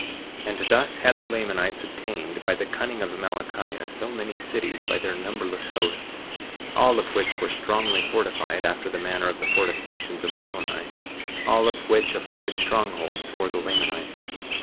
51:27 And thus had the Lamanites obtained, by the cunning of Amalickiah, so many cities, by their numberless hosts, all of which were strongly fortified after the manner of the fortifications of Moroni; all of which afforded strongholds for the Lamanites.